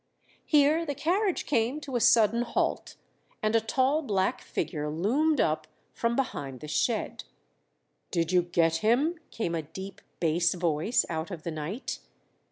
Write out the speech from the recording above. Here the carriage came to a sudden halt, and a tall black figure loomed up from behind the shed. "Did you get him?" came a deep bass voice out of the night.